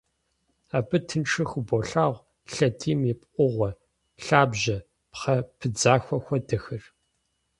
Абы тыншу хыболъагъуэ лъэдийм и пкъыгъуэ, лъабжьэ, пхъэ пыдзахуэ хуэдэхэр.